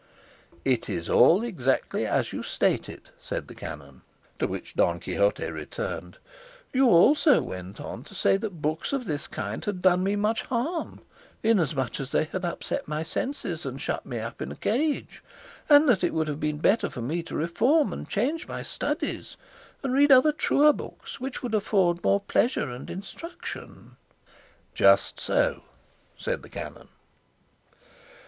"It is all exactly as you state it," said the canon; to which Don Quixote returned, "You also went on to say that books of this kind had done me much harm, inasmuch as they had upset my senses, and shut me up in a cage, and that it would be better for me to reform and change my studies, and read other truer books which would afford more pleasure and instruction." "Just so," said the canon.